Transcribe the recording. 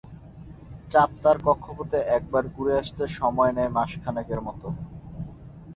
চাঁদ তার কক্ষপথে একবার ঘুরে আসতে সময় নেয় মাস খানেকের মতো।